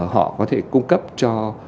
họ có thể cung cấp cho